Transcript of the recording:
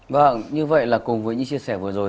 vâng như vậy là cùng với những chia sẻ vừa rồi